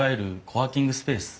コワーキングスペース？